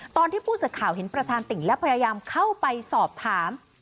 ตอนที่ผู้สื่อข่าวเห็นประธานติ่งและพยายามเข้าไปสอบถาม